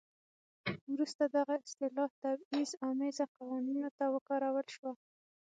وروسته دغه اصطلاح تبعیض امیزه قوانینو ته وکارول شوه.